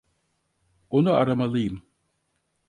Onu aramalıyım.